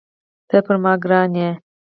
ته پر ما ګران یې